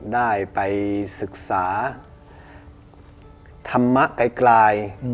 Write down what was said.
ได้ไปศึกษาธรรมะไกล